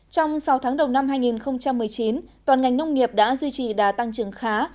trong sáu tháng đầu năm hai nghìn một mươi chín toàn ngành nông nghiệp đã duy trì đà tăng trưởng khá